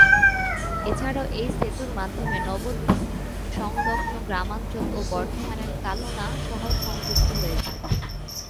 এছাড়াও এই সেতুর মাধ্যমে নবদ্বীপ-সংলগ্ন গ্রামাঞ্চল ও বর্ধমানের কালনা শহর সংযুক্ত হয়েছে।